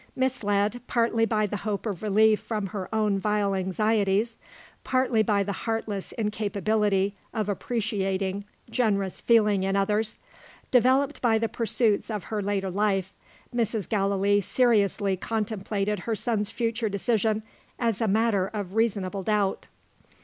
Misled, partly by the hope of relief from her own vile anxieties; partly by the heartless incapability of appreciating generous feeling in others, developed by the pursuits of her later life, Mrs. Gallilee seriously contemplated her son's future decision as a matter of reasonable doubt.